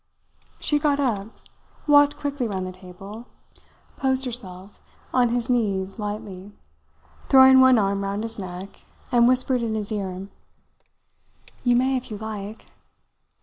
She got up, walked quickly round the table, posed herself on his knees lightly, throwing one arm round his neck, and whispered in his ear: "You may if you like.